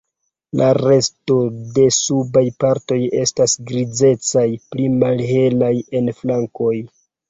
La resto de subaj partoj estas grizecaj, pli malhelaj en flankoj.